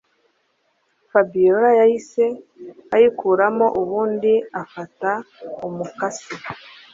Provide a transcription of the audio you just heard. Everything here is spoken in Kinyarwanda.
Fabiora yahise ayikuramo ubundi afata umukasi